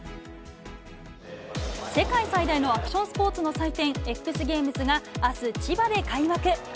世界最大のアクションスポーツの祭典、ＸＧａｍｅｓがあす、千葉で開幕。